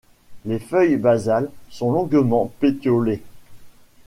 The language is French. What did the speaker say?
Les feuilles basales sont longuement pétiolées.